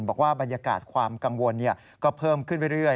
บอกว่าบรรยากาศความกังวลก็เพิ่มขึ้นไปเรื่อย